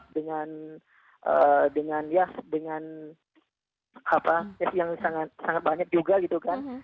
kita juga di tes swab dengan yang sangat banyak juga gitu kan